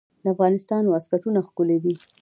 د افغانستان واسکټونه ښکلي دي